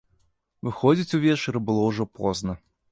Выходзіць увечары было ўжо позна.